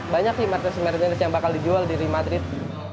banyak nih martinis martinis yang bakal dijual di real madrid